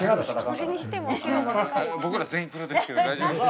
僕ら全員黒ですけど大丈夫ですか？